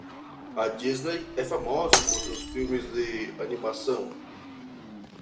A Disney é famosa por seus filmes de animação.